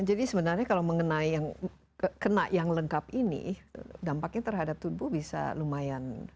jadi sebenarnya kalau mengenai yang kena yang lengkap ini dampaknya terhadap tubuh bisa lumayan